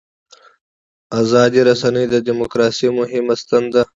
ازادې رسنۍ د دیموکراسۍ مهمه ستن ده.